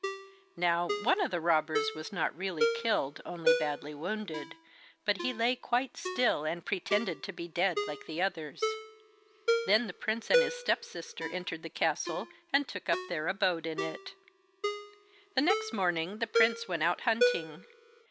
Now, one of the robbers was not really killed, only badly wounded, but he lay quite still and pretended to be dead like the others. Then the prince and his step sister entered the castle and took up their abode in it. The next morning the prince went out hunting.